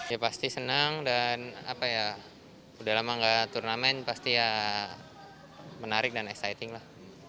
ya pasti senang dan apa ya udah lama gak turnamen pasti ya menarik dan exciting lah